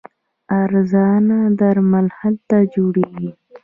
ارزانه درمل هلته جوړیږي.